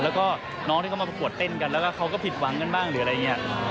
แล้วก็น้องที่เขามาประกวดเต้นกันแล้วก็เขาก็ผิดหวังกันบ้างหรืออะไรอย่างนี้